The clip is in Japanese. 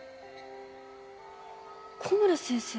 小村先生？